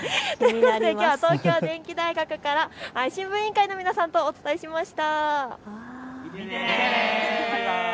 きょうは東京電機大学から新聞委員会の皆さんとお伝えしました。